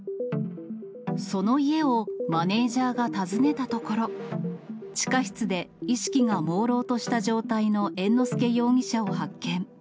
その家をマネージャーが訪ねたところ、地下室で意識がもうろうとした状態の猿之助容疑者を発見。